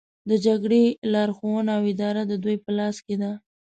د جګړې لارښوونه او اداره د دوی په لاس کې ده